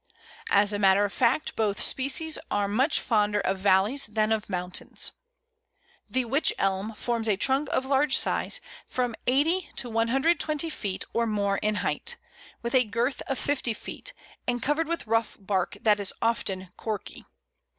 As a matter of fact, both species are much fonder of valleys than of mountains. The Wych Elm forms a trunk of large size, from 80 to 120 feet or more in height, with a girth of 50 feet, and covered with rough bark that is often corky.